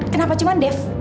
kenapa cuman dev